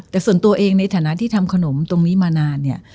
แต่ส่วนตัวเองในฐานะที่ทำขนมตรงนี้มานานเนี่ย